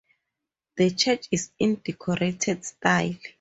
The church is in decorated style.